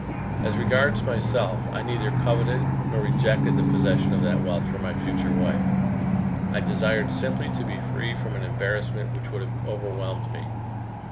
As regards myself, I neither coveted nor rejected the possession of that wealth for my future wife. I desired simply to be free from an embarrassment which would have overwhelmed me.